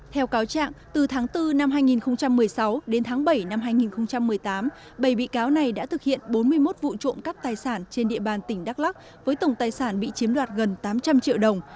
theo cáo trạng từ tháng bốn năm hai nghìn một mươi sáu đến tháng bảy năm hai nghìn một mươi tám bảy bị cáo này đã thực hiện bốn mươi một vụ trộm cắp tài sản trên địa bàn tỉnh đắk lắc với tổng tài sản bị chiếm đoạt gần tám trăm linh triệu đồng